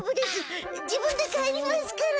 自分で帰りますから。